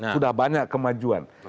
sudah banyak kemajuan